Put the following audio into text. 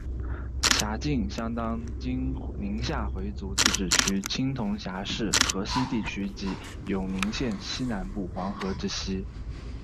辖境相当今宁夏回族自治区青铜峡市河西地区及永宁县西南部黄河之西。